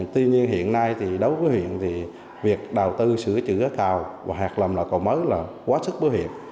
tuy nhiên hiện nay thì đối với huyện thì việc đầu tư sửa chữa cầu và hạt lầm là cầu mới là quá sức bứa huyện